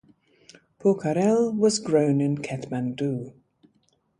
Pokharel was grown in Kathmandu.